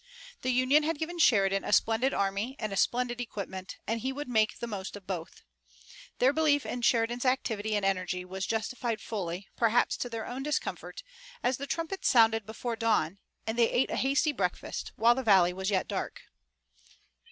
The Union had given Sheridan a splendid army and a splendid equipment, and he would make the most of both. Their belief in Sheridan's activity and energy was justified fully, perhaps to their own discomfort, as the trumpets sounded before dawn, and they ate a hasty breakfast, while the valley was yet dark.